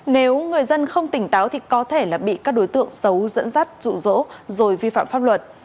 nếu người dân không tỉnh táo thì có thể là bị các đối tượng xấu dẫn dắt rụ rỗ rồi vi phạm pháp luật